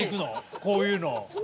こういうの。